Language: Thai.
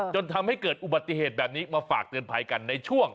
จนทำให้เกิดอุบัติเหตุแบบนี้มาฝากเตือนภัยกันในช่วง